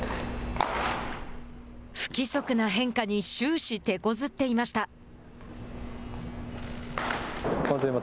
不規則な変化に終始、てこずっていました。